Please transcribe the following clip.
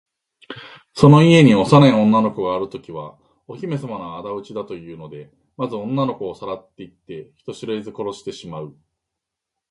その家に幼い女の子があるときは、お姫さまのあだ討ちだというので、まず女の子をさらっていって、人知れず殺してしまう。